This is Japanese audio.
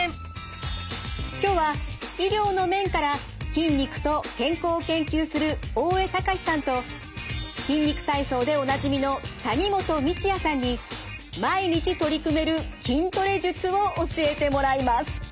今日は医療の面から筋肉と健康を研究する大江隆史さんと「筋肉体操」でおなじみの谷本道哉さんに毎日取り組める筋トレ術を教えてもらいます。